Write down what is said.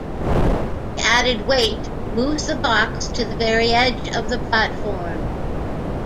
The added weight moves the box to the very edge of the platform.